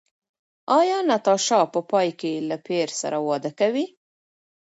ایا ناتاشا په پای کې له پییر سره واده کوي؟